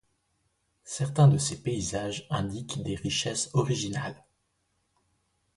Certains de ses paysages indiquent des richesses originales.